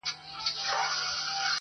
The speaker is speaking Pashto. او بحثونه بيا راګرځي تل,